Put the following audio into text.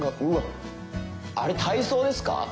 うわっあれ体操ですか？